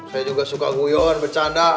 saya juga suka guyon bercanda